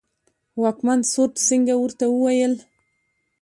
واکمن سورت سینګه ورته وویل.